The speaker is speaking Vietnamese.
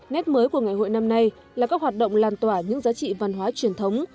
nét mới của ngày hội năm nay là các hoạt động lan tỏa những giá trị văn hóa truyền thống